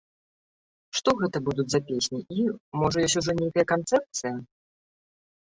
Што гэта будуць за песні, і, можа, ёсць ужо нейкая канцэпцыя?